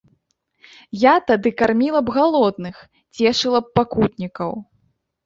Я тады карміла б галодных, цешыла б пакутнікаў.